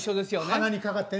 鼻にかかってね。